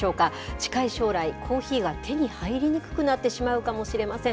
近い将来、コーヒーが手に入りにくくなってしまうかもしれません。